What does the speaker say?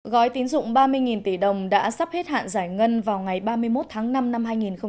gói tín dụng ba mươi tỷ đồng đã sắp hết hạn giải ngân vào ngày ba mươi một tháng năm năm hai nghìn hai mươi